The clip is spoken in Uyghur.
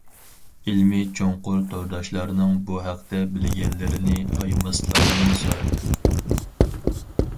ئىلمى چوڭقۇر تورداشلارنىڭ بۇ ھەقتە بىلگەنلىرىنى ئايىماسلىقىنى سورايمەن.